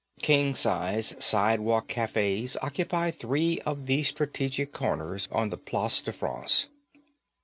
King size sidewalk cafes occupy three of the strategic corners on the Place de France.